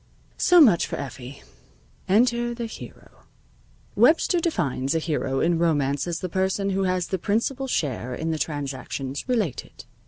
So much for Effie. Enter the hero. Webster defines a hero in romance as the person who has the principal share in the transactions related.